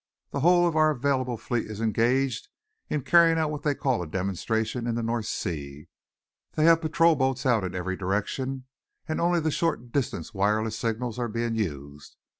"The whole of our available fleet is engaged in carrying out what they call a demonstration in the North Sea. They have patrol boats out in every direction, and only the short distance wireless signals are being used.